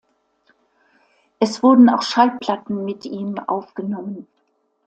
Es wurden auch Schallplatten mit ihm aufgenommen.